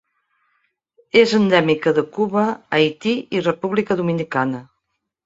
És endèmica de Cuba, Haití i República Dominicana.